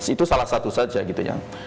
itu salah satu saja